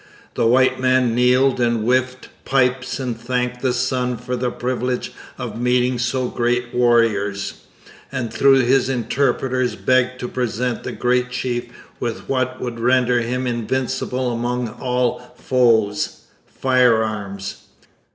The white man kneeled and whiffed pipes and thanked the Sun for the privilege of meeting so great warriors, and through his interpreters begged to present the Great Chief with what would render him invincible among all foes firearms.